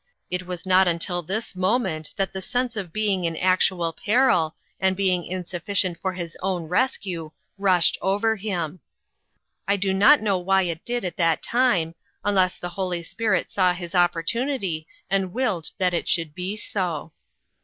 It was not until this moment that the sense of being in actual peril, and being insuffi cient for his own rescue, rushed over him. I do not know why it did at that time, unless the Holy Spirit saw his opportunity and willed that it should be so.